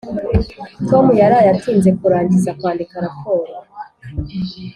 tom yaraye atinze kurangiza kwandika raporo.